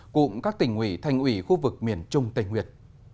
cùng các tỉnh ủy thành ủy khu vực miền trung tây nguyệt